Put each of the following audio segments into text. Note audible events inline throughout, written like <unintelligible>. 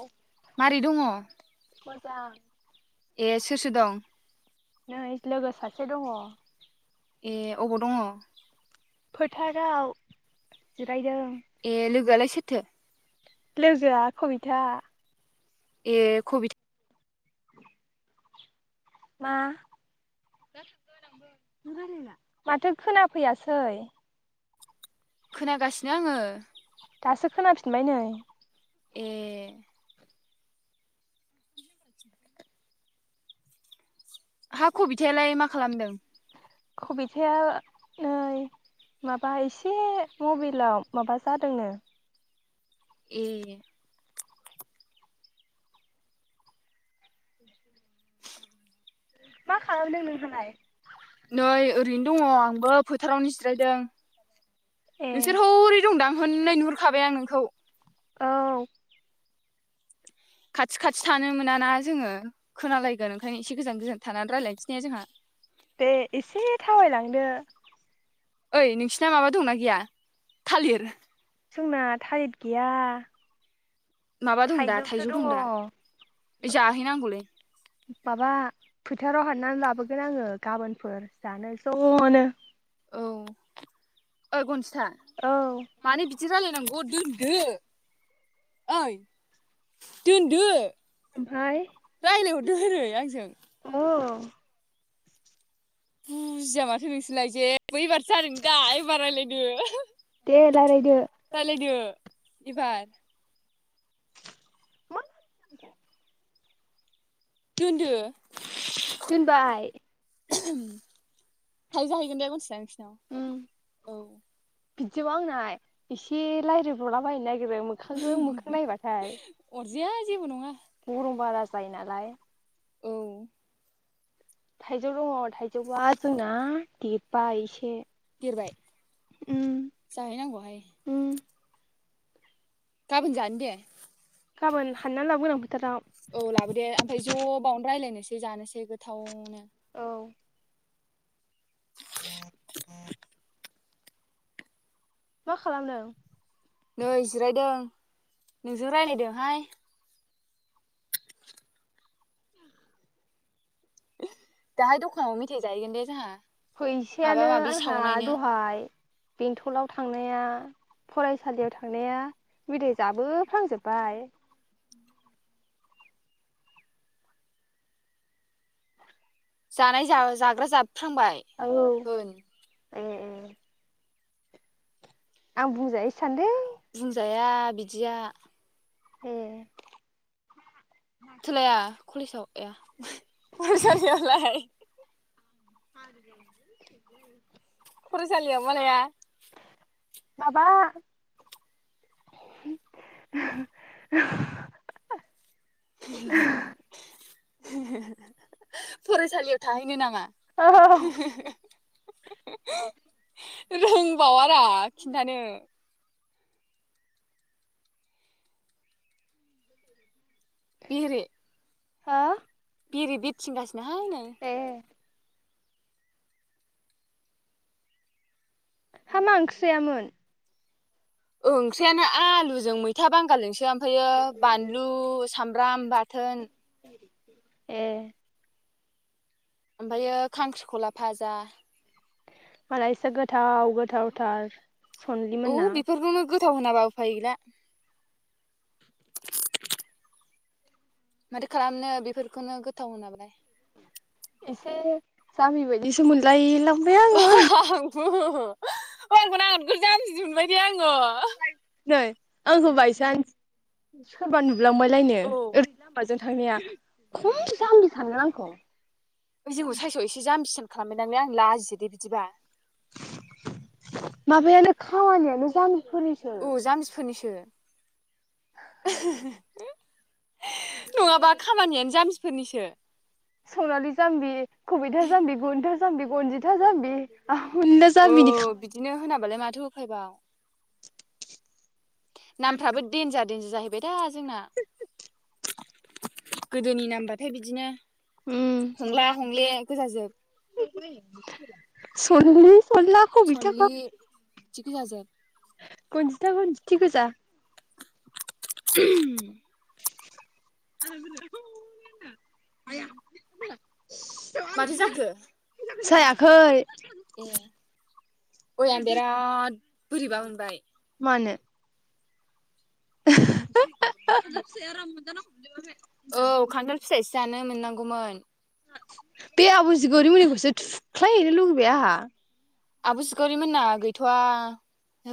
औ मारै दङ? मोजां। ए सोर-सोर दं? नै लोगो सासे दङ। ए अबाव दङ'? फोथाराव जिरायदों। ए लोगोआलाय सोरथो? लोगोआ कबिथा। ए खबिथ मा माथो खोनाफैयासै खोनागासिनो आङो। दासो खोनाफिनबाय नै। ए। ए। <unintelligible> हा कबिथायालाय मा खालामदों? खबिथाया नै माबा इसे मबाइलाव माबा जादोंनो ए। मा खालामदों नोंहालाय? नै ओरैनो दङ' आंबो फोथारावनो जिरायदों। ए नोंसोर हरै दंदां हननै नुहुरखाबाय आं नोंखौ। औ। खाथि खाथि थानो मोनाना जोङो खोनालायगोन ओंखायनो एसे गोजान गोजान थानानै रायलायनोसैने जोंहा। दे एसे थाबायलांदो। ओइ नोंसिना माबा दंना गैया थालिर? जोंना थालिद गैया। माबा दं दा थाइजौसो थाइजौ दङ दं दा ओइ जाहैनांगौलै। माबा फोथाराव हाननानै लाबोगोन आङो गाबोनफोर जानो ज'नो। औ ओइ गनसथा? औ। दि रायलायनांगौ दोनदो ओइ दोनदो। ओमफाय रायज्लायहरदो ओरै आंजों अ। बुजिया माथो नोंसोरलाय जे एबारसो जादों दा एबार रायलायदो। रायलायदो एबार। दोनदो। दोनबाय <unintelligible> थाइजौ जाहैगोन दे <unintelligible> नोंसिनाव औ। बिदियाव आंनाय एसे लायरायब्रलाबायनो नायगिरो <unintelligible> मोखांजों मोखां नायबाथाय अरजाया जेबो नङा गरम बारा जायो नालाय। औ थाइजौ दङ' थाइजौआ जोंना देदबाय एसे। देरबाय जाहैनांगौहाय। ओम। गाबोन जानो दे गाबोन हाननानै लाबोगोन आं फोथाराव। औ लाबो दे ओमफ्राय ज' बावनो रायलायनोसै जानोसै गोथावनो। औ। <inaudible> मा खालामदों। नै जिरायदों नोंजों रायलायदोंहाय। दाहाय दखानाव मेथाइ जाहैगोन दे जाहा। फैसायानो आंहा दहाय बेंथलाव थांनाया फरायसालियाव थांनाया मेथाइ जाबोफ्लांजोब्बाय। जानाय जा जाग्रा जाबोफ्रांबाय होन ओम ओम। आं बुंजायोसो सान्दों। बुंजाया बिदिया। ओं। सोलाया कलेजाव आया फरायसालियावलाय <inaudible> फरायसालियाव मा लाया माबा <unintelligible> <unintelligible> फरायसालियाव थाहैनो नामा? औ रोंबावारा खिन्थानो। बेेरे। हा बेरे बिरथिंगासिनोहाय नै। ए। हा मा ओंख्रि जायामोन। ओंख्रियानो आलुजों मै मैथा बांगालजोंसो ओमफायो बानलु सामब्राम बाथोन। ए। ओमफायो खांख्रिखला भाजा। मालायसो गोथाव गोथावथार। सनलि औ मोनना बेफोरखौनो गोथाव होनाबा उफाय गैला। माथो खालामनो बेफोरखौनो गोथाव होनाबालाय। एसे जामबि बायदिसो मोनलाय लांबाय आं। आंबो ओइ आंखौ आं नोगोर जामबि मोनबाय दे आङो। नै आंखौ बायसान्स सोरबा नुलांबायलायनो औ लामाजों थांनाया खम जामबि सानगोन आंखौ। ओइ जोंखौ साइसआव एसे जामबिसियान खालामबाय दांलै आं लाजियो दे बिदिबा। माबायानो खामानियानो जामबिफोरनिसो। जामबिफोरनिसो <unintelligible> नङाबा खामानियानो जामबिफोरनिसो। सनालि जाम्बि कबिथा जाम्बि बन्था जाम्बि गनजिथा जाम्बि। औ <unintelligible> बिदिनो होनाबालाय माथो उफाइबाव नामफ्राबो देन्जार देन्जार जाहैबाय दा जोंना। गोदोनि नामबाथाय बिदिनो उम हंला हंले गोजाजोब सलि सला <unintelligible> गनजिथा गनजिथि गोजा। <unintelligible> माथो जाखो <unintelligible> जायाखै। ए। ओय आं बेराद बोरैबा मोनबाय। मानो? <inaudible> औ खान्थाल फिथायसो जानो मोननांगौमोन। बे आब'जिगरि मोननिखौसो थुख्लायहैनो लुगैबाय आहा। आब' सिखावरिमोनना गैथ'वा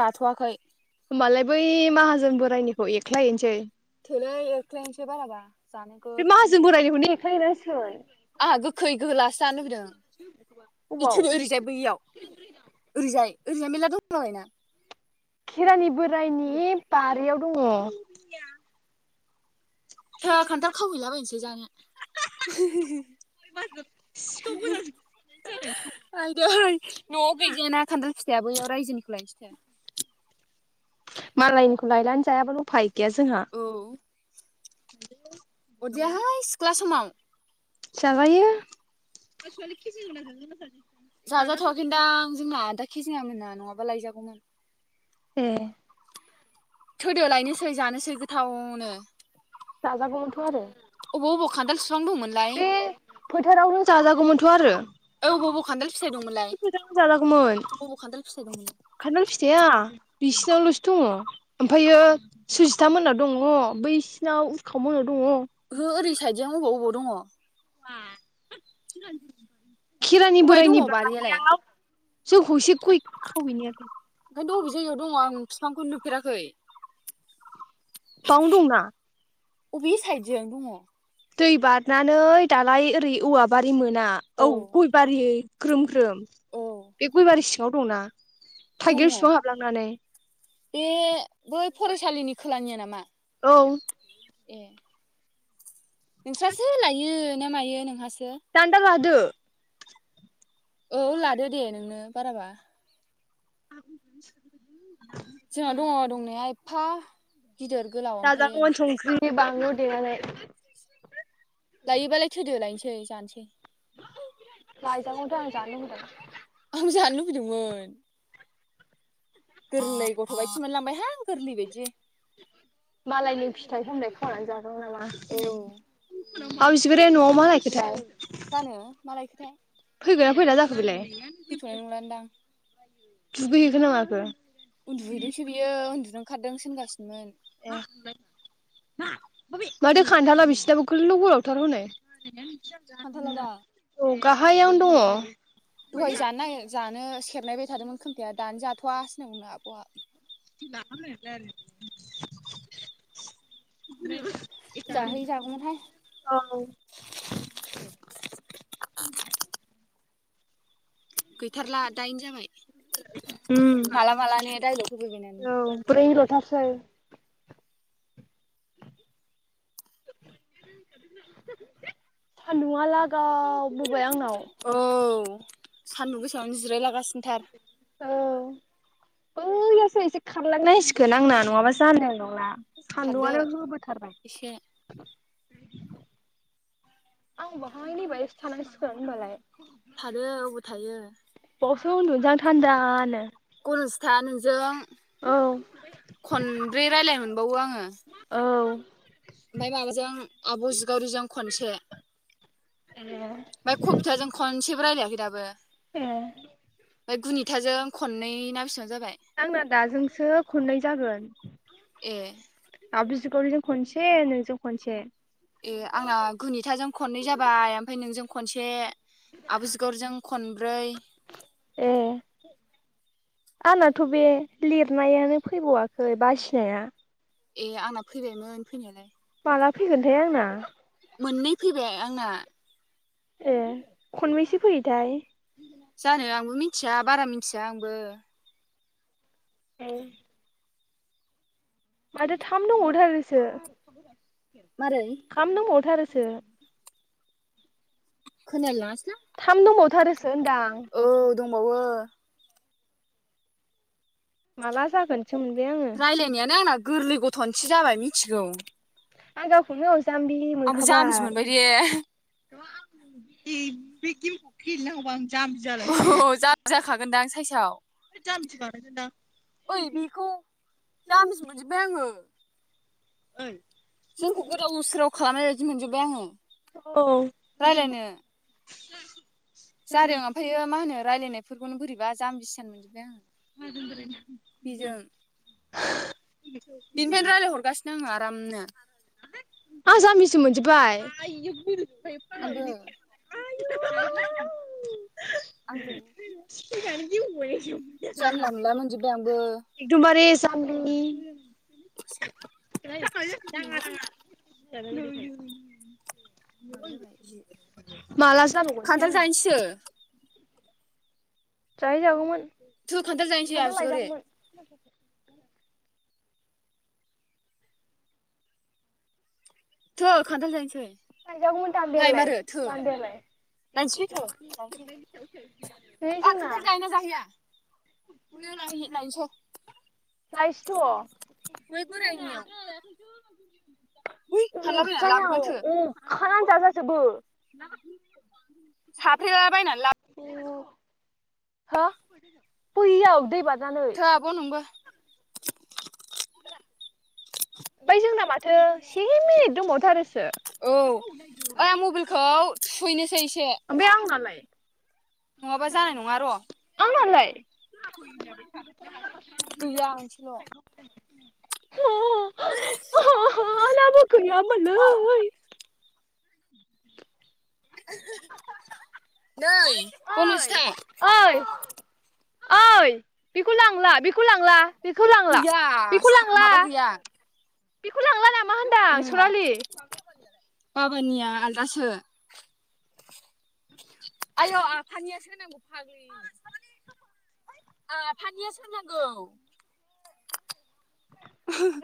राथ'वाखै। होमबालाय बै माहाजोन बोराइनिखौ एख्लायहैसै। थोलै एरख्लायनोसै बाराबा जानो बे गोथावनो माहाजोन बोरायनिखौनो एख्लायहैनांसिगोन। आंहा गोखै गोलासो जानो लुगैदों। इ अबाव थुदो ओरैजाय बैयाव ओरैजाय ओरैजाय मेला दंलाबायोना। खेरानि बोराइनि बारियाव दङ। थ खान्थाल खावहैलाबायनोसै जानो। <unintelligible> आयदै न'आव गैजायाना खान्थाल फिथाया बैयाव रायजोनिखौ लायनोसै थो। मालायनिखौ लायनानै जायाबानो उफाय गैया जोंहा। औ। अरजायाहाय सिख्ला समाव। जाजायो। जाजाथ'वाखैनदां जोंना आदा केजेङा मोनना नङाबा लायजागौमोन। ए थौदो लायनोसै जानोसै गोथावनो। जाजागौमोनथ' आरो अबाव अबाव खान्थाल फिफां दंङमोनलाय? बे फोथारावनो जाजागौमोनथ' आरो। ओ अबाव अबाव खान्थाल फिथाइ दंमोनलाय बे फोथारावनो जाजागौमोन अबाव अबाव खान्थाल फिथाइ दंमोन? खान्थाल फिथाया बिसिनावल'सो दङ। ओमफायो सुजिथा मोननाव दङ बैसिनाव उरखाव मोननाव दङ। ओहो ओरै साइडजों अबाव अबाव दङ? <unintelligible> खेरानि अबेहाय दङ बोराइनि बारियालाय बारियाव जों खनसे गय खावहैनायालाय। ओंखायनथ अबे जायगायाव दङ आं फिफांखौनो नुफेराखै। बावनो दंना अबे साइडजों दङ? दै बारनानै दालाय ओरै औवा बारि मोना औ गय बारि ग्रोम ग्रोम औ बे गयबारि सिङाव दङना। दङ बे बै फरायसालिनि खोलानिया नामा? औ। ए। नोंस्रासो लायो ना मायो नोंहासो। दानदा लादो। औ लादो दे नोंनो बाराबा। <inaudible> जोङा दङ दंनाया एफ्फा गिदोर गोलाव जाजागौमोन संख्रि बानलु देनानै। लायोबालाय थुदो लायनोसै जानोसै। लायजागौमोनथ' आं जानो लुगैदों। आंबो जानो लुगैदोंमोन। गोरलै गथ' बायदिस मोनलांबायहां गोरलै बायदि। मालायनि फिथाइ हामनाय खावनानै जादों नामा? औ। अ सिबारिआ न'आव मा लायखोथाय? जानो मा लायखोथाया। फैगोन्ना फैला जाखो बेलाय? फैथ'नाय नंलानदां। दुगैहैखोना माखो? उन्दुहैदोंसो बियो उन्दुनो ओंखारदों सो होनगासिनोमोन। <unintelligible> <inaudible> माथो खाथ्नाला बिसिनाबो गोलाव गोलावथार हनै। खान्थाला दा औ गाहायावनो दङ। दहाय जानो नागेर जानो सेरनायबाय थादोंमोन खोम्थाया दानो जाथ'वासो होनदोंमोन आब'आ। <inaudible> जाहै जागौमोनहाय <unintelligible> गैथारला दायन जाबाय माला मालानो दायल'ग होबाय बायनानै ब्रै ल'थारसै। <inaudible> सान्दुंआ लागाव बोबाय आंनाव। औ सान्दुं गोसायावनो जिरायलागासिनो थार। औ बैयासो एसे खारलांनांसिगोन आंना नङाबा जानाय नंला। खारदो सान्दुंआनो होबोथारबाय। एसे आं बहाय नै बेहायसो थानांसिगोन होनबालाय। थादो अबाव थायो। बावसो उन्दुनसां थान्दानो। गनसथा नोंजों औ खनब्रै रायलायनो मोनबावो आङो। औ। ओमफाय माबाजों आब' जिगावरिजों खनसे। ओमफाय कबिथाजों खनसेबो रायलायाखै दाबो। ए ओमफाय गुनिथाजों खननै ना बेसेबां जाबाय। आंना दाजोंसो खननोय जागोन। ए। आब' जिखावरिजों खनसे नोंजों खनसे। ए आंना गुनिथाजों खननै जाबाय ओमफ्राय नोंजों खनसे आब' जिगरिजों खनब्रै। ए आंनाथ' बे लिरनायानो फैबावाखै बासिनाया ए आंना फैबायमोन फैनायालाय। माला फैगोनथाय आंना? मोननै फैबाय आंना। ए खननबैसे फैयोथाय? जानो आंबो मिथिया बारा मिथिया आंबो। ए माथो थाम दंबावथारोसो मारै थाम दंबावथारोसो। खोनालाय लांङासैलां। थाम दंबावथारोसो होनदां। औ दंबावो। माला जागोन सो मोनबाय आङो। रायलायनायानो आंना गोरलै गथ'निसो जाबाय मिथिगौ। आं गावखौनो गाव जाम्बि आंबो जामबि मोनबाय दे मोनखाबाय ए बे गेमखौ गेलेनांगौबा आं जाम्बि औ जाम्बि जाखागोनदा आं साइसआव। जाम्बि <unintelligible> ओमफाय आङो ओइ जोंखौ गोदाव सोराव खालामनाय बायदि मोनजोब्बाय आङो औ रायज्लायनो जादों ओमफ्रायो मा होनो रायज्लायनायफोरखौनो बोरैबा जाम्बि सियान मोनजोबबाय आङो। बिजों बेनिफ्रायनो रायजलाय हरगासि नाङो आरामनो आं जाम्बिसो मोनजोब्बाय। आंबो। आयौ आंजों सिनायजानो गिबावबाय। जानला मोनला मोनजोब्बाय आंबो। एकदमबारे जाम्बि <unintelligible> माबा जाबाय जि <unintelligible> माला जाबावगोनथाय आंना। सोर? जाहैजागौमोन थौ जाहैनोसै खान्थाल आबजुगुरि लायजागौमोन। थौ खान्थाल जाहैनोसै <unintelligible> थांजागौमोन दानदायालाय लायमारो थौ दानदायालाय? लायनोसैलै थौ लायनोसै <unintelligible> बे आ जोंना <unintelligible> लायनिसै। लायसैथ' बोरायनियाव <unintelligible> बै हानलाबायनानै अरजाया लाबोगोन थौ अरखानानो जाजाजोबो। साफ्रेलाबायनानै‌ ला अ हो बैयाव दै बारनानै। अ नोंबो ओमफाय जोंना माथो से मिनिट दंबावथारोसो। औ ओइ आं मबाइलखौ थुहैनोसै <unintelligible> एसे ओमफाय आंनालाय? नङाबा जानाय नङा र'। आंनालाय <inaudible> गैया मोनसेल' <unintelligible> <inaudible> नै बनजिथा ओइ ओइ बेखौ लांला बेखौ लांला? बेखौ लांला गैया बेखौ लांला माबा गैया बेखौ लांला नामा होनदां उम सनालि? बाबानिया आलदासो। आयौ आफानियासो होननांगौ फाग्लि। आफानियासो होननांगौ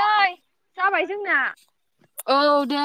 नै जाबाय जोंना। औ दे।